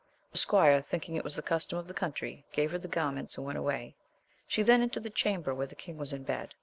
The squire, thinking it was the custom of the country, gave her the garments and went away. She then entered the chamber where the king was in bed.